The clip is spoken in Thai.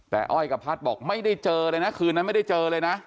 แต่อ้อยกับพัดบอกไม่ได้เจอเลยนะคืนนั้นไม่ได้เจอเลยนะ